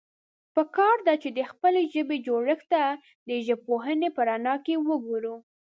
پکار ده، چې د خپلې ژبې جوړښت ته د ژبپوهنې په رڼا کې وګورو.